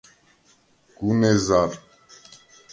“გუნ ეზარ”.